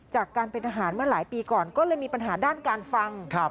จากการเป็นทหารเมื่อหลายปีก่อนก็เลยมีปัญหาด้านการฟัง